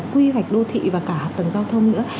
quy hoạch đô thị và cả hạ tầng giao thông nữa